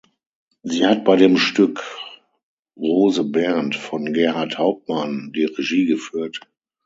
Sie hat bei dem Stück Rose Bernd von Gerhart Hauptmann die Regie geführt.